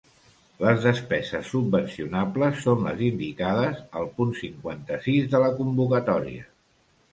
Les despeses subvencionables són les indicades al punt cinquanta-sis de la convocatòria.